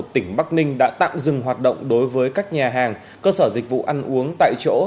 tỉnh bắc ninh đã tạm dừng hoạt động đối với các nhà hàng cơ sở dịch vụ ăn uống tại chỗ